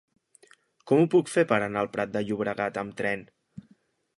Com ho puc fer per anar al Prat de Llobregat amb tren?